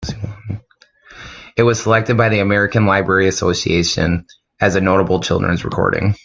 It was selected by the American Library Association as a Notable Children's Recording.